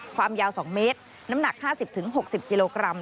ความยาว๒เมตรน้ำหนัก๕๐๖๐กิโลกรัม